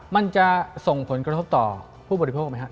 มันจะส่งผลกระทบต่อผู้บริโภคไหมครับ